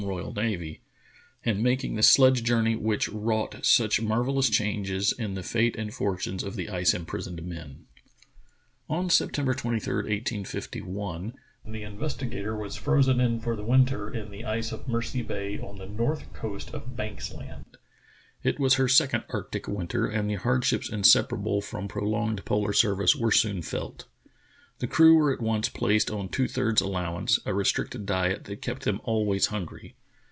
N., The Journey of Bedford Pirn 75 in making the sledge journey which wrought such marvellous changes in the fate and fortunes of the ice imprisoned men. On September 23, 1851, the Investigator was frozen in for the winter in the ice of Mercy Bay, on the north Route of Pirn's sledge journey. coast of Banks Land. It was her second arctic winter, and the hardships inseparable from prolonged polar service were soon felt. The crew were at once placed on two thirds allowance, a restricted diet that kept them always hungry.